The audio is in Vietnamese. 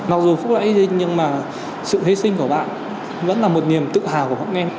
mặc dù phúc đã đi nhưng mà sự thế sinh của bạn vẫn là một niềm tự hào của bọn em